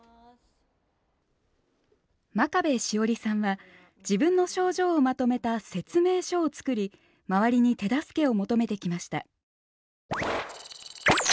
真壁詩織さんは自分の症状をまとめた「説明書」を作り周りに手助けを求めてきました。